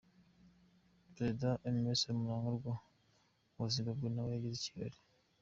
Perezida Emmerson Mnangagwa wa Zimbabwe nawe yageze i Kigali.